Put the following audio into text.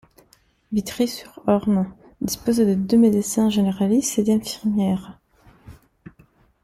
Vitry-sur-Orne dispose de deux médecins généralistes et d'infirmières.